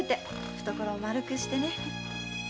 懐を円くしてね。